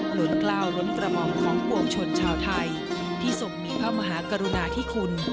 หล่นกล้าวล้นกระหม่อมของปวงชนชาวไทยที่ทรงมีพระมหากรุณาธิคุณ